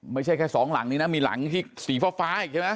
ไม่ใช่แค่สองหลังนี้นะมีหลังที่สีฟ้าอีกใช่ไหม